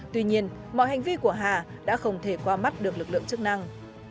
tuy nhiên mọi hành vi của hà đã không thể qua mắt được lực lượng chức năng